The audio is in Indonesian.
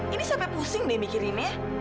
ini sampe pusing deh mikirinnya